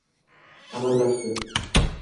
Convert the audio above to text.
Amallashdi.